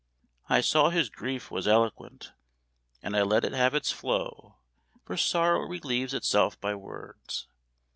I saw his grief was eloquent, and I let it have its flow; for sorrow relieves itself by words.